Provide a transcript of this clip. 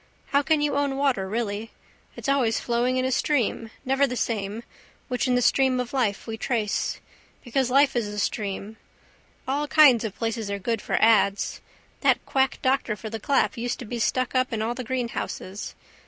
How can you own water really? It's always flowing in a stream, never the same, which in the stream of life we trace. Because life is a stream. All kinds of places are good for ads. That quack doctor for the clap used to be stuck up in all the greenhouses.